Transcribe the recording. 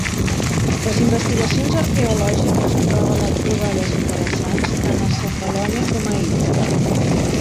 Les investigacions arqueològiques han revelat troballes interessants tant a Cefalònia com a Ítaca.